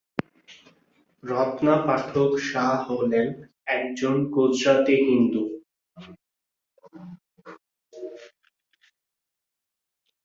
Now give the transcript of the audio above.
রত্না পাঠক শা হলেন একজন গুজরাতি হিন্দু।